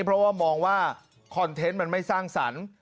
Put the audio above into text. เพราะว่ามองว่าคอนเทนต์มันไม่สร้างสรรค์